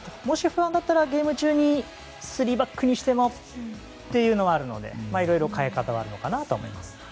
もし不安だったらゲーム中にスリーバックにしてもというのはあるのでいろいろ代え方はあると思います。